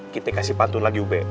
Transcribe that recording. kita kasih pantun lagi ube